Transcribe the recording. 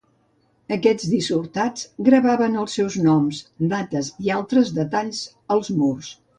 Aquests dissortats gravaven els seus noms, dates i altres detalls als murs.